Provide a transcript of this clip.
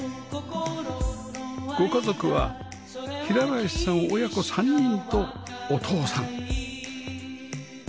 ご家族は平林さん親子３人とお父さん